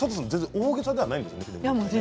大げさではないんですよね。